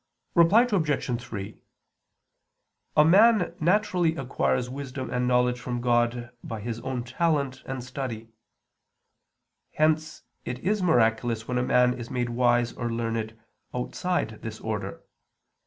Reply Obj. 3: A man naturally acquires wisdom and knowledge from God by his own talent and study. Hence it is miraculous when a man is made wise or learned outside this order.